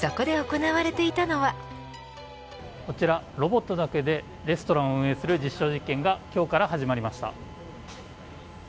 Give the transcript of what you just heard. こちら、ロボットだけでレストランを運営する実証実験が今日から始まりました。